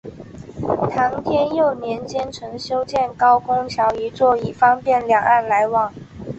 唐天佑年间曾修建高公桥一座以方便两岸来往。